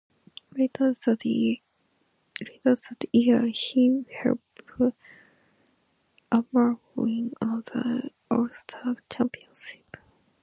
Later that year he helped Armagh win another Ulster Championship.